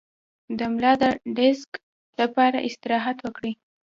د ملا د ډیسک لپاره استراحت وکړئ